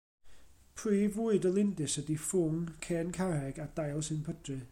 Prif fwyd y lindys ydy ffwng, cen carreg a dail sy'n pydru.